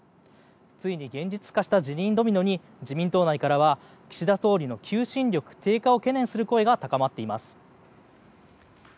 ついに現実化した辞任ドミノに自民党内からは岸田総理の求心力低下を懸念する声が高まっています。